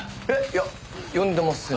いや呼んでません。